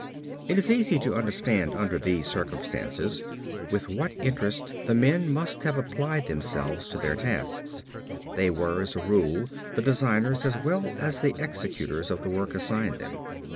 It is easy to understand under these circumstances with what interest the men must have applied themselves to their tasks. They were, as a rule, the designers as well as the executors of the work assigned them.